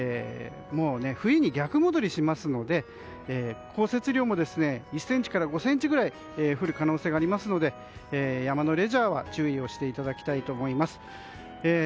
冬に逆戻りしますので降雪量も１ｃｍから５ｃｍぐらい降る可能性がありますので山のレジャーは注意をしていただきたいと思います。